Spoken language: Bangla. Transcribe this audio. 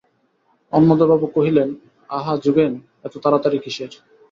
অন্নদাবাবু কহিলেন, আহা যোগেন, এত তাড়াতাড়ি কিসের?